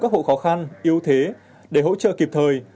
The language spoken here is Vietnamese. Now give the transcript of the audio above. các hộ khó khăn yếu thế để hỗ trợ kịp thời